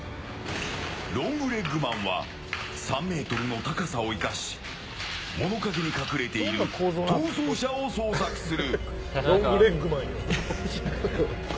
ロングレッグマンは３ｍの高さを生かし物陰に隠れている逃走者を捜索する。